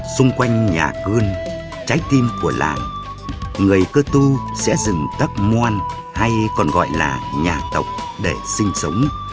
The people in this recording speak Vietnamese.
xung quanh nhà gương trái tim của làng người cơ tu sẽ dừng tất muôn hay còn gọi là nhà tộc để sinh sống